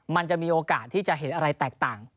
มันจะมีโอกาสที่จะเห็นอะไรแตกต่าง